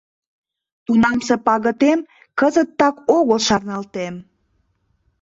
Тунамсе пагытем кызыт так огыл шарналтем.